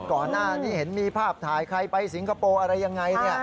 ก่อนหน้านี้เห็นมีภาพถ่ายใครไปสิงคโปร์อะไรยังไง